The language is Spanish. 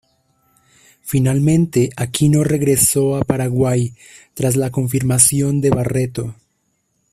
Finalmente, Aquino regresó a Paraguay tras la confirmación de Barreto.